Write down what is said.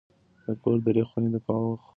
د کور درې خونې د خاورو او لرګیو څخه دي.